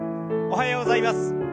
おはようございます。